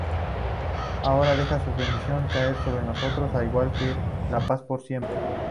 Ahora deja su bendición caer sobre nosotros al igual que la paz por siempre.